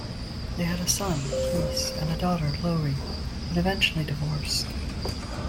They had a son, Rhys, and a daughter, Lowri, but eventually divorced.